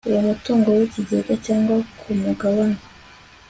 uwo mutungo w ikigega cyangwa ku mugabane